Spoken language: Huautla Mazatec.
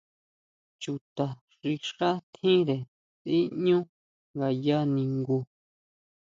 ¿Chuta xi xá tjire siʼñu ngaya ningu.